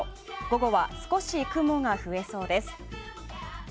午後は少し雲が増えそうです。